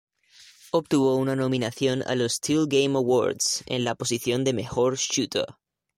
Obtuvo una nominación a los "Till Game Awards" en la posición de Mejor "shooter".